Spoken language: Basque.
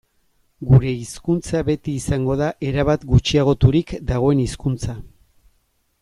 Gure hizkuntza beti izango da erabat gutxiagoturik dagoen hizkuntza.